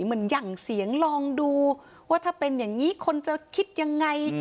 หยั่งเสียงลองดูว่าถ้าเป็นอย่างนี้คนจะคิดยังไง